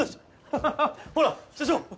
ハハハほら社長！